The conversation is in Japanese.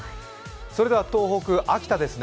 それでは東北・秋田ですね